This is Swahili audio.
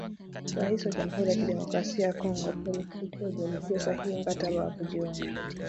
Rais wa Jamuhuri ya kidemokrasia ya Kongo ,Felix Tchisekedi alitia sahihi mkataba wa kujiunga